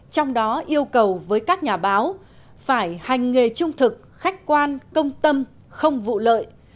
trong đó yêu cầu với các nhà báo phải hành nghề trung thực khách quan công tâm không vụ lợi